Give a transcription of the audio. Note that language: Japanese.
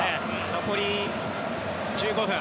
残り１５分。